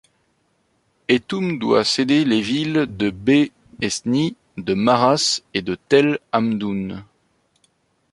Héthoum doit céder les villes de Behesni, de Maraş et de Tell-Hamdoun.